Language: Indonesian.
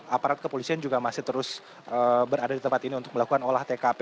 aparat kepolisian juga masih terus berada di tempat ini untuk melakukan olah tkp